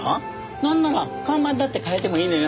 なんなら看板だって変えてもいいのよ